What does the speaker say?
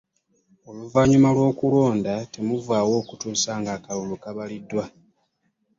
Oluvannyuma lw'okulonda temuvaawo okutuusa ng'akalulu kabaliddwa.